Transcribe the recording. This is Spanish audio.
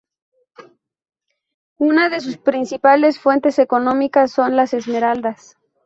Una de sus principales fuentes económicas son las esmeraldas.